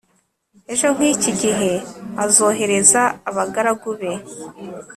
ejo nk iki gihe azohereza abagaragu be